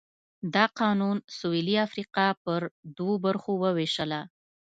دا قانون سوېلي افریقا پر دوو برخو ووېشله.